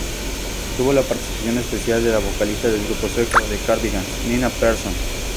Tuvo la participación especial de la vocalista del grupo sueco The Cardigans, Nina Persson.